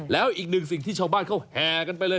แล้วอีกหนึ่งสิ่งที่ชาวบ้านเขาแห่กันไปเลย